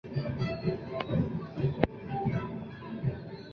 专业版安装介质中包含着众多的金山字库可在安装时有选择性的安装。